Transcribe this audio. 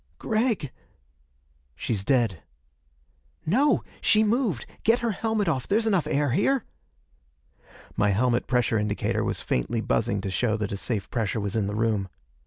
"Gregg!" "She's dead." "No! She moved! Get her helmet off! There's enough air here." My helmet pressure indicator was faintly buzzing to show that a safe pressure was in the room.